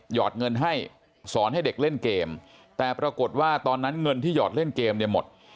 อดเงินให้สอนให้เด็กเล่นเกมแต่ปรากฏว่าตอนนั้นเงินที่หอดเล่นเกมเนี่ยหมด